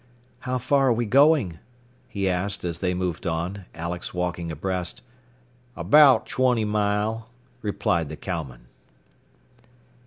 "How far are we going?" he asked as they moved on, Alex walking abreast. "About twenty miles," replied the cowman.